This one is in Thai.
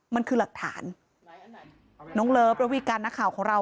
มันคือหลักฐานน้องเลิฟระวีการนักข่าวของเรา